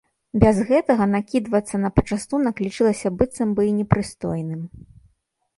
Без гэтага накідвацца на пачастунак лічылася быццам бы і непрыстойным.